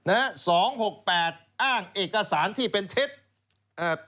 ๒๖๘อ้างเอกสารที่เป็นเท็จ